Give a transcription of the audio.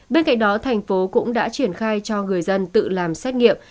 bên cạnh đó tp hcm cũng đã triển khai cho người dân tự làm xét nghiệm